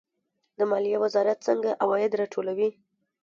د مالیې وزارت څنګه عواید راټولوي؟